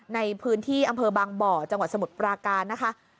ในพื้นที่อำเภอบางบ่อจังหวัดสมุทรปราการนะคะ